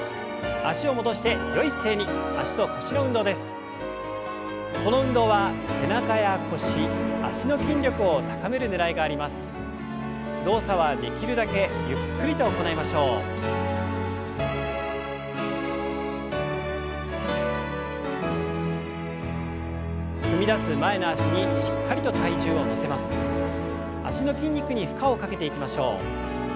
脚の筋肉に負荷をかけていきましょう。